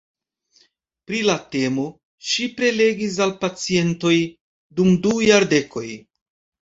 Pri la temo ŝi prelegis al pacientoj dum du jardekoj.